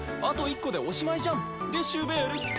あと１個でおしまいじゃんでしゅべーる。